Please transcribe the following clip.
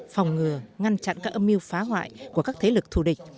phòng ngừa ngăn chặn các âm mưu phá hoại của các thế lực thù địch